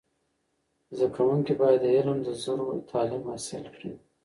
زده کوونکي باید د علم د زرو تعلیم حاصل کړي.